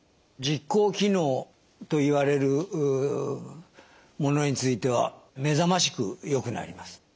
実行機能といわれるものについては目覚ましくよくなります。